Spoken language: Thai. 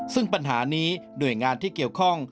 ซึ่งปัญหานี้หน่วยงานที่เกี่ยวข้อง